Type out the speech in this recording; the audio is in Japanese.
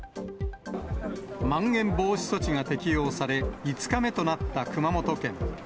まん延防止措置が適用され、５日目となった熊本県。